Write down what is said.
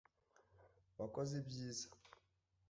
wakoze ibyiza